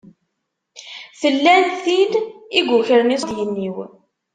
Tella tin i yukren iṣuṛdiyen-iw.